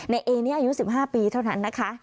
เอนี่อายุ๑๕ปีเท่านั้นนะคะ